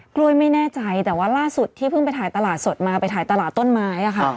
กล้วยไม่แน่ใจแต่ว่าล่าสุดที่เพิ่งไปถ่ายตลาดสดมาไปถ่ายตลาดต้นไม้ค่ะ